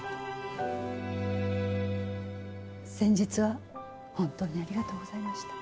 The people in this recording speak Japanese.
先日は本当にありがとうございました。